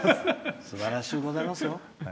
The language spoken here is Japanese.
すばらしゅうございます。